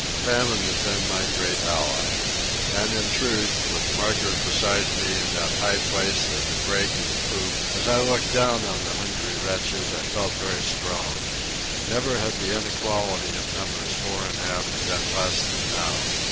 Famine had been my great ally. And in truth, with Margaret beside me in that high place of the break of the poop, as I looked down on the hungry wretches I felt very strong. Never had the inequality of numbers fore and aft been less than now.